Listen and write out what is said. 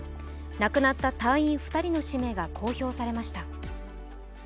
亡くなった隊員２人の氏名が公表されました。